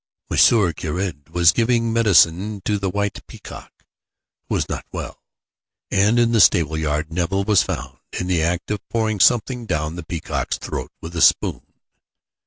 Monsieur Caird was giving medicine to the white peacock, who was not well, and in the stable yard Nevill was found, in the act of pouring something down the peacock's throat with a spoon.